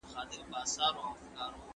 تعلیمي کیفیت د ټولنیز پرمختګ اساس دی.